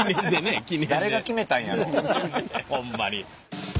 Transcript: ほんまに。